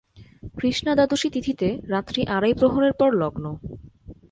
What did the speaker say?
কৃষ্ণা দ্বাদশীতিথিতে রাত্রি আড়াই প্রহরের পর লগ্ন।